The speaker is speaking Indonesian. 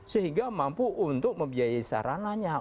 sehingga mampu untuk membiayai sarananya